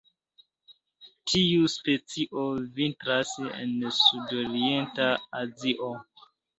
Tiu specio vintras en sudorienta Azio.